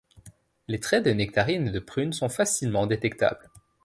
Les traits de nectarine et de prune sont facilement détectables.